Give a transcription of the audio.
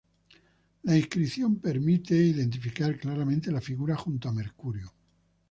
La inscripción permite identificar claramente la figura junto a Mercurio.